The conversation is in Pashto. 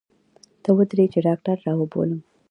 ته ودرې چې ډاکتر راوبولم.